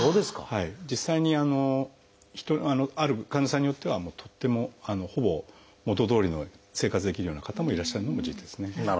実際にある患者さんによってはとってもほぼ元どおりの生活できるような方もいらっしゃるのも事実ですね。